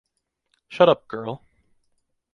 Shut up, girl!